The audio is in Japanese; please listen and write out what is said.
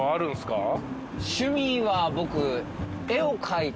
趣味は僕。